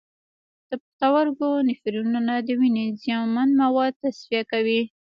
د پښتورګو نفرونونه د وینې زیانمن مواد تصفیه کوي.